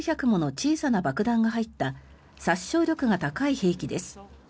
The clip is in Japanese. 小さな爆弾が入った殺傷力が高い兵器です。